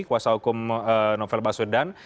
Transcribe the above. kuasa hukum novel basudan